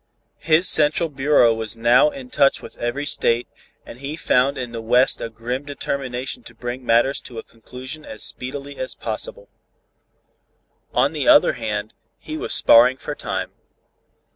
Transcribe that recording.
His central bureau was now in touch with every state, and he found in the West a grim determination to bring matters to a conclusion as speedily as possible. On the other hand, he was sparring for time.